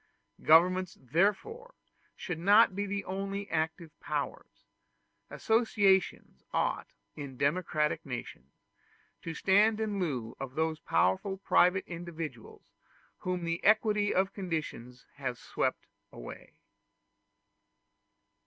Governments therefore should not be the only active powers: associations ought, in democratic nations, to stand in lieu of those powerful private individuals whom the equality of conditions has swept away.